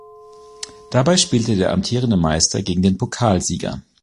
Dabei spielte der amtierende Meister gegen den Pokalsieger.